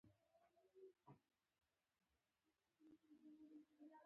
هڅه د انسان قوت دی.